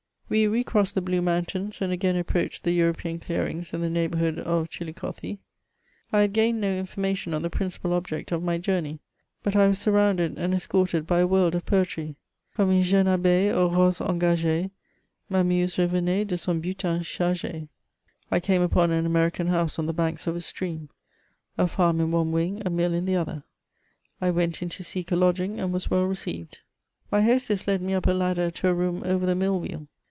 We re crossed the Blue Mountains, and again approached the European clearings in the neighbourhood of Chillicothi. I had gained no information on the principal object of my journey ; but I was surrounded and escorted by a world of poetry :Comme une jeune abeille auz roses engagee Ma muse revenait de son butin chargle." I came upon an American house on the banks of a stream — a farm in one wing, a mill in the other. I went in to seek a lodging, and was well received. My hostess led me up a ladder to a room over the mill wheel.